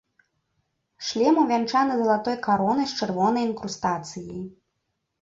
Шлем увянчаны залатой каронай з чырвонай інкрустацыяй.